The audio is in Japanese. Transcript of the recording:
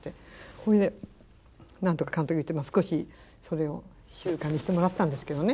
それで何とかかんとか言って少しそれを静かにしてもらったんですけどね。